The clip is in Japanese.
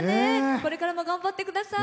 これからも頑張ってください。